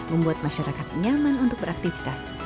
membuat masyarakat nyaman untuk beraktivitas